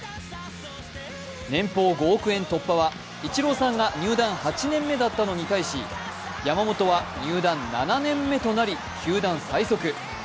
年俸５億円突破はイチローさんが入団８年目だったのに対し山本は入団７年目となり、球団最速。